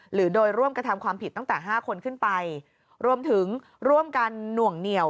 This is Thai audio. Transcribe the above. หรือโดยร่วมกระทำความผิดตั้งแต่๕คนขึ้นไปรวมถึงร่วมกันหน่วงเหนียว